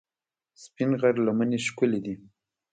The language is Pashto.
سپین غر لمنې ښکلې دي؟